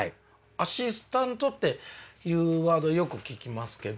アシスタントっていうワードよく聞きますけど。